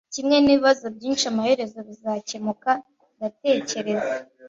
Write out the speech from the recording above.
Kimwe nibibazo byinshi amaherezo bizakemuka ndatekereza